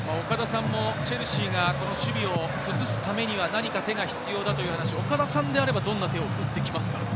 岡田さんもチェルシーが守備を崩すためには何か手が必要だという話を岡田さんであれば、どんな手を打ってきますか？